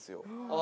あ。